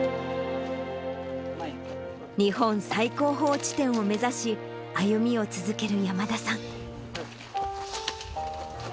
日本最高峰地点を目指し、歩みを続ける山田さん。